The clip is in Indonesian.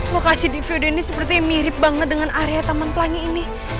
lokasi di video ini sepertinya mirip banget dengan area taman pelangi ini